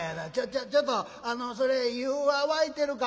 ちょちょっとあのそれ湯は沸いてるか？」。